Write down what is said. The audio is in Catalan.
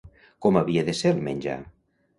Com havia de ser el menjar?